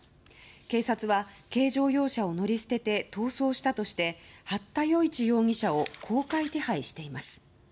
警察は軽乗用車を乗り捨てて逃走したとして八田與一容疑者を公開手配しています。